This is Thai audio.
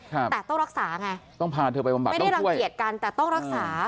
แต่ต้องรักษาไงไม่ได้รังเกียจกันแต่ต้องรักษา